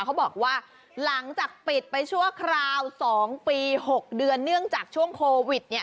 เขาบอกว่าหลังจากปิดไปชั่วคราว๒ปี๖เดือนเนื่องจากช่วงโควิดเนี่ย